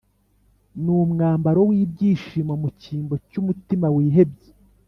n’umwambaro w’ibyishimo mu cyimbo cy’umutima wihebye”